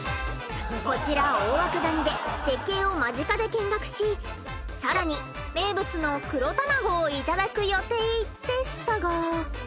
こちら大涌谷で絶景を間近で見学し更に名物の黒たまごをいただく予定でしたが。